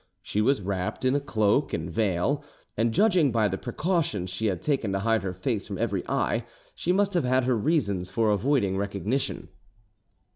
She was wrapped in cloak and veil, and judging by the precautions she, had taken to hide her face from every eye, she must have had her reasons for avoiding recognition.